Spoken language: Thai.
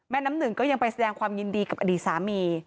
น้ำหนึ่งก็ยังไปแสดงความยินดีกับอดีตสามี